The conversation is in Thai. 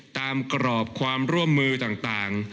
กรอบความร่วมมือต่าง